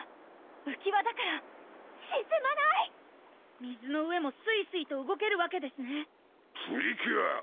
うき輪だからしずまない⁉水の上もすいすいと動けるわけですねプリキュア！